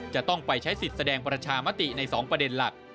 จะต้องไปใช้สิทธิ์แสดงประชามติใน๒ประเด็นหลัก